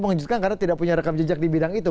mengejutkan karena tidak punya rekam jejak di bidang itu